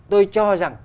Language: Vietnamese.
tôi cho rằng